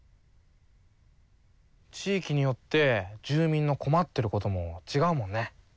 地域によって住民の困ってることもちがうもんね。